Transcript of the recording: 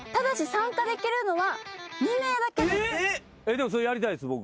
でもそれやりたいです僕。